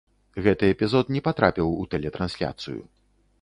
Гэты эпізод не патрапіў у тэлетрансляцыю.